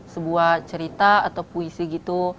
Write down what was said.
sebuah cerita atau puisi gitu